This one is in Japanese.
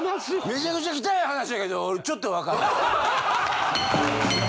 めちゃくちゃ汚い話やけど俺ちょっとわかる。